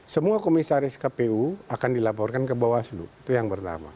semua komisaris kpu akan dilaporkan ke bawaslu itu yang pertama